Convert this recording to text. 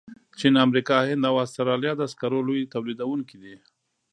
چین، امریکا، هند او استرالیا د سکرو لوی تولیدونکي دي.